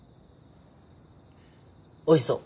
おいしそう。